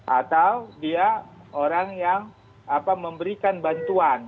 atau dia orang yang memberikan bantuan